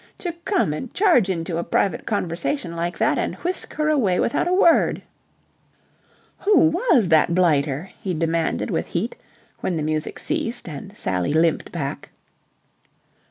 To come and charge into a private conversation like that and whisk her away without a word... "Who was that blighter?" he demanded with heat, when the music ceased and Sally limped back.